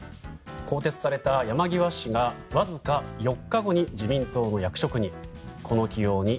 更迭された山際氏がわずか４日後に自民党の役職に。